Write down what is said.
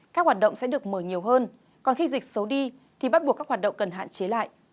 các hoạt động sẽ được mở nhiều hơn còn khi dịch xấu đi thì bắt buộc các hoạt động cần hạn chế lại